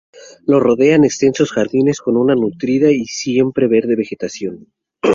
Lo rodean extensos jardines con una nutrida y siempre verde vegetación.